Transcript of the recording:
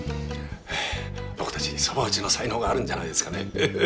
僕たち蕎麦打ちの才能があるんじゃないですかね。